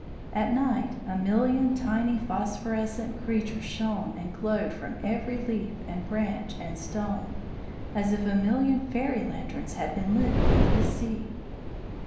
At night, a million tiny phosphorescent creatures shone and glowed from every leaf and branch and stone, as if a million fairy lanterns had been lit beneath the sea.